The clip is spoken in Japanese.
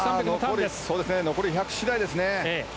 残り１００次第ですね。